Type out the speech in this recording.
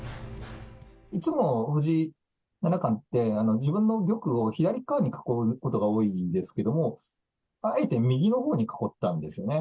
いつも藤井七冠って、自分の玉を左側に囲うことが多いんですけども、あえて右のほうに囲ったんですね。